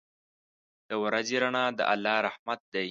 • د ورځې رڼا د الله رحمت دی.